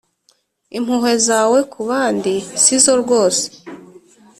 impuhwe zawe kubandi sizo rwose.